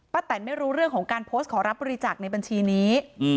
แตนไม่รู้เรื่องของการโพสต์ขอรับบริจาคในบัญชีนี้